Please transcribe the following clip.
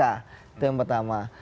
itu yang pertama